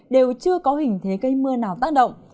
đều chưa có hình thế cây mưa nào tác động